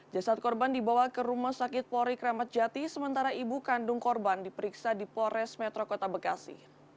jasad korban dibawa ke rumah sakit polri kramat jati sementara ibu kandung korban diperiksa di polres metro kota bekasi